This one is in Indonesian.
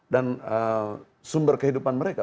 dan sumber kehidupan mereka